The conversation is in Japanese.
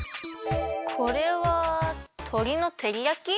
これはとりのてりやき？